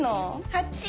８。